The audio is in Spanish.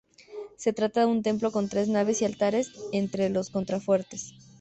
Se trata de un templo con tres naves y altares entre los contrafuertes.